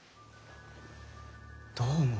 どう思う？